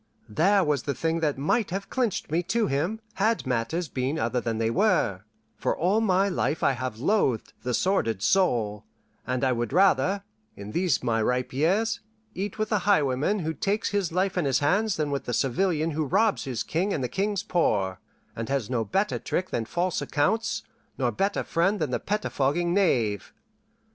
There was the thing that might have clinched me to him, had matters been other than they were; for all my life I have loathed the sordid soul, and I would rather, in these my ripe years, eat with a highwayman who takes his life in his hands than with the civilian who robs his king and the king's poor, and has no better trick than false accounts, nor better friend than the pettifogging knave.